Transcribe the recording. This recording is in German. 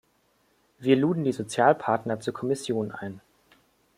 Wir luden die Sozialpartner zur Kommission ein.